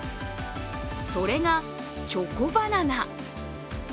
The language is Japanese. それが、チョコバナナ。